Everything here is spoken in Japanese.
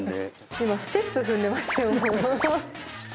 今ステップ踏んでましたよ。